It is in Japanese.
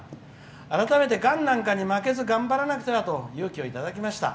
改めて、がんなんかに負けず頑張らなくてはと勇気をもらいました。